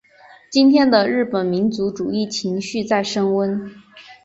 今天的日本民族主义情绪在升温。